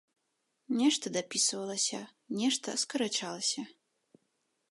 Нешта дапісвалася, нешта скарачалася.